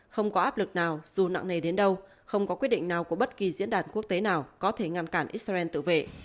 không có áp lực nào dù nặng nề đến đâu không có quyết định nào của bất kỳ diễn đàn quốc tế nào có thể ngăn cản israel tự vệ